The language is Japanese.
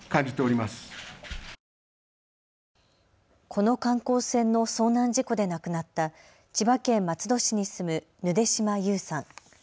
この観光船の遭難事故で亡くなった千葉県松戸市に住むぬで島優さん。